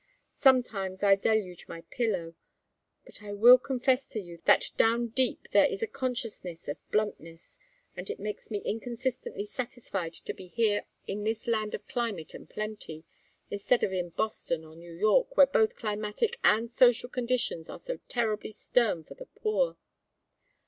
Sometimes I deluge my pillow; but I will confess to you that down deep there is a consciousness of bluntness, and it makes me inconsistently satisfied to be here in this land of climate and plenty, instead of in Boston or New York, where both climatic and social conditions are so terribly stern for the poor.